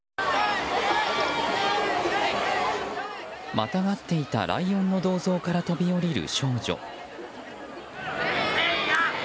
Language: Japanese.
またがっていたライオンの銅像から飛び降りる少女。